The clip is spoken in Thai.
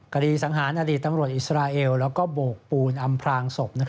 กรีสังหานาฬิตตำรวจอิสราเอลและโบกปูนอำพลางศพ